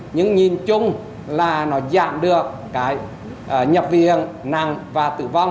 nhưng nhìn chung là nó giảm được cái nhập viện nặng và tử vong